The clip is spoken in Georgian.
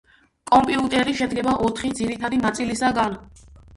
კომპიუტერი შედგება ოთხი ძირითადი ნაწილისაგან.